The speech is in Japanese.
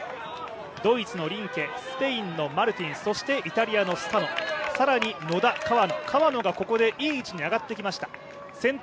ドイツのリンケ、スペインのマルティンそしてイタリアのスタノ更に野田、川野、川野がここでいい位置に上がってきました。